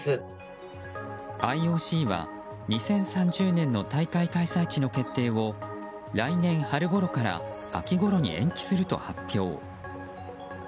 ＩＯＣは２０３０年の大会開催地の決定を来年春ごろから秋ごろに延期すると発表。